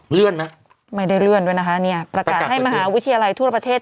เลื่อนไหมไม่ได้เลื่อนด้วยนะคะเนี่ยประกาศให้มหาวิทยาลัยทั่วประเทศ